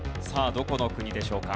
どこの国でしょうか？